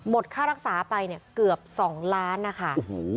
ค่ารักษาไปเนี่ยเกือบ๒ล้านนะคะ